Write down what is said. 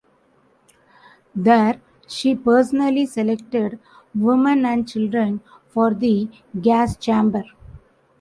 There, she personally selected women and children for the gas chamber.